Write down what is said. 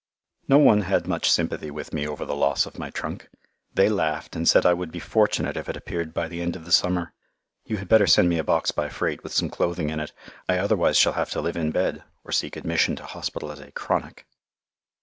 No one had much sympathy with me over the loss of my trunk. They laughed and said I would be fortunate if it appeared by the end of the summer. You had better send me a box by freight with some clothing in it; I otherwise shall have to live in bed, or seek admission to hospital as a "chronic."